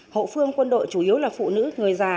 hậu phương quân đội chủ yếu là phụ nữ người già